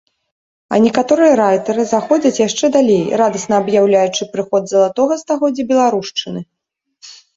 А некаторыя райтары заходзяць яшчэ далей, радасна аб'яўляючы прыход залатога стагоддзя беларушчыны.